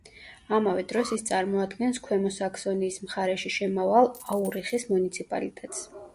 ამავე დროს, ის წარმოადგენს ქვემო საქსონიის მხარეში შემავალ აურიხის მუნიციპალიტეტს.